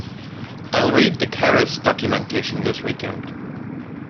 I'll read the Keras documentation this weekend.